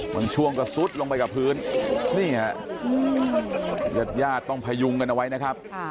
ช่วงก็ซุดลงไปกับพื้นนี่ฮะญาติญาติต้องพยุงกันเอาไว้นะครับ